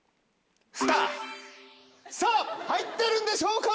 さぁ入ってるんでしょうか？